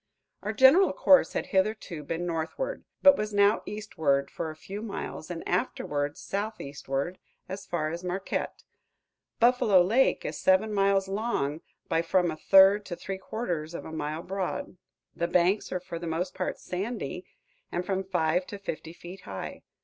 Our general course had hitherto been northward, but was now eastward for a few miles and afterward southeastward as far as Marquette. Buffalo Lake is seven miles long by from a third to three quarters of a mile broad. The banks are for the most part sandy, and from five to fifty feet high.